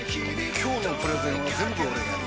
今日のプレゼンは全部俺がやる！